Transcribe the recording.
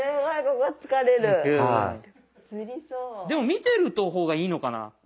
でも見てる方がいいのかな。